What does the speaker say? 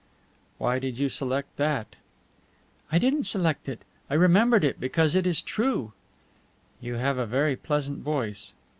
'" "Why did you select that?" "I didn't select it; I remembered it because it is true." "You have a very pleasant voice.